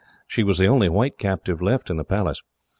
She was the only white captive left in the Palace.